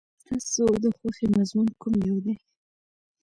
ستاسو د خوښې مضمون کوم یو دی؟